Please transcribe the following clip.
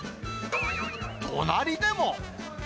隣でも。